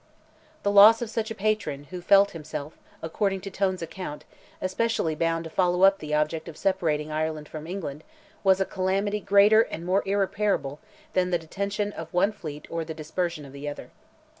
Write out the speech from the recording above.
The loss of such a patron, who felt himself, according to Tone's account, especially bound to follow up the object of separating Ireland from England, was a calamity greater and more irreparable than the detention of one fleet or the dispersion of the other.